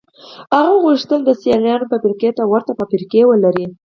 هغه غوښتل د سیالانو فابریکو ته ورته فابریکې ولري